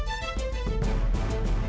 para directing sumi